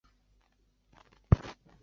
该物种的模式产地在印度特兰克巴尔。